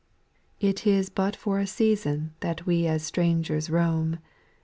It is but for a season that we as strangers roam.